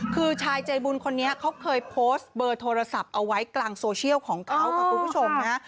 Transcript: คือชายใจบุญคนนี้เขาเคยโพสต์เบอร์โทรศัพท์เอาไว้กลางโซเชียลของเขาค่ะคุณผู้ชมนะ